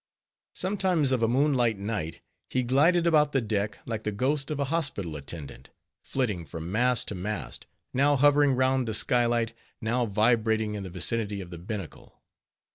Sometimes, of a moonlight night he glided about the deck, like the ghost of a hospital attendant; flitting from mast to mast; now hovering round the skylight, now vibrating in the vicinity of the binnacle.